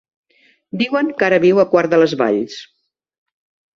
Diuen que ara viu a Quart de les Valls.